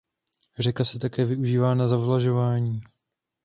Řeka se také využívá na zavlažování.